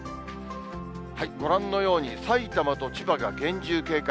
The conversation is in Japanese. ご覧のように、さいたまと千葉が厳重警戒。